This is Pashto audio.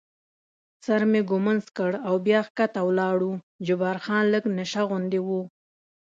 سر مې ږمنځ کړ او بیا کښته ولاړو، جبار خان لږ نشه غوندې و.